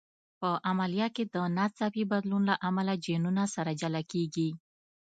په عملیه کې د ناڅاپي بدلون له امله جینونه سره جلا کېږي.